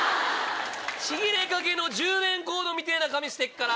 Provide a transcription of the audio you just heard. ちぎれかけの充電コードみてぇな髪してっから。